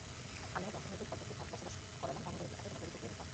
আমি আমার বংশধরদের কতককে বসবাস করালাম অনুর্বর উপত্যকায় তোমার পবিত্র ঘরের নিকট।